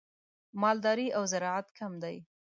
مالداري او زراعت کم دي.